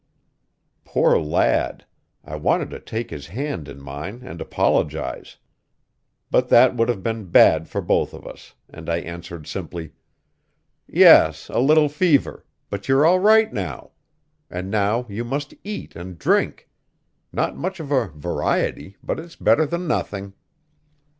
Poor lad! I wanted to take his hand in mine and apologize. But that would have been bad for both of us, and I answered simply: "Yes, a little fever. But you're all right now. And now you must eat and drink. Not much of a variety, but it's better than nothing."